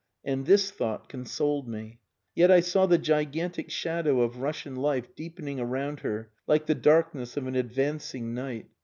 And this thought consoled me. Yet I saw the gigantic shadow of Russian life deepening around her like the darkness of an advancing night.